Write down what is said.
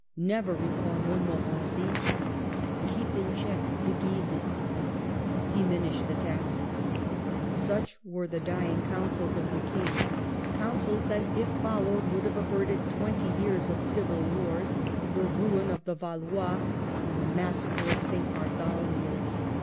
'' Never recall Montmorency, keep in check the Guises, diminish the taxes." Such were the dying counsels of the King, — counsels that if followed would have averted twenty years of civil wars, the ruin of the Valois, and the DEATH OF THE KING. 29 1 massacre of St. Bartholomew.